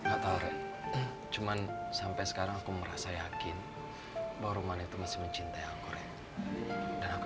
atau cuman sampai sekarang aku merasa yakin baru mana itu masih mencintai aku